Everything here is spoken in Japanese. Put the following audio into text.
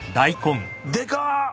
でかっ！